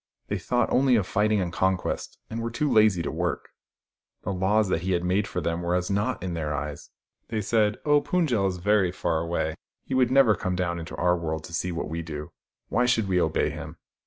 They thought only of fighting and conquest, and were too lazy to work. The laws that he had made for them were as naught in their eyes. They said, " Oh, Pund jel is very far away. He will never come down into our world to see what we do. Why should we obey him